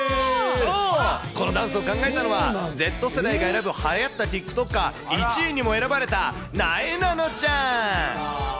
そう、このダンスを考えたのは、Ｚ世代が選ぶはやったティックトッカー１位にも選ばれたなえなのちゃん。